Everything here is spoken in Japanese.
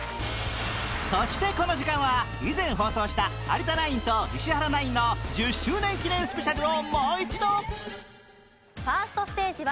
そしてこの時間は以前放送した有田ナインと石原ナインの１０周年記念スペシャルをもう一度